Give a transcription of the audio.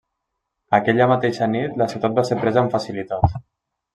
Aquella mateixa nit, la ciutat va ser presa amb facilitat.